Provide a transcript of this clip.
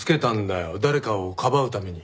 誰かをかばうために。